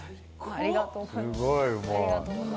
ありがとうございます。